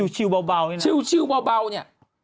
ชื้วเบาเนี่ย